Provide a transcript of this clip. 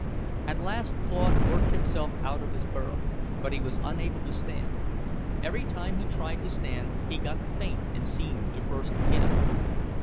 At last Claude worked himself out of his burrow, but he was unable to stand. Every time he tried to stand, he got faint and seemed to burst again.